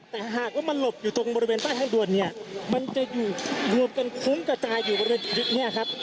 แต่หากว่ามันหลบอยู่ตรงบริเวณใต้ทางด่วนเนี่ยมันจะอยู่รวมกันคุ้งกระจายอยู่บริเวณเนี่ยครับ